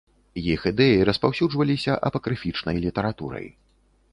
Іх ідэі распаўсюджваліся апакрыфічнай літаратурай.